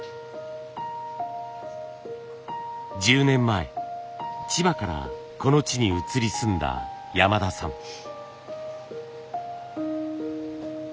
１０年前千葉からこの地に移り住んだ山田さん。